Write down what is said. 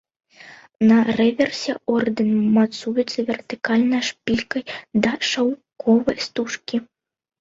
На рэверсе ордэн мацуецца вертыкальнай шпількай да шаўковай стужкі.